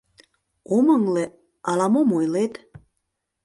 Ом ыҥле, ала-мом ойлет.